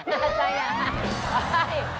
ใช่ค่ะ